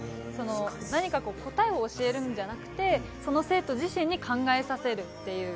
何か答えを教えるんじゃなくて、その生徒自身に考えさせるという。